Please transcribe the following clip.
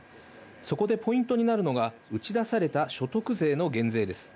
そこでポイントになるのが打ち出された所得税の減税です。